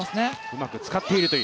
うまく使っていると。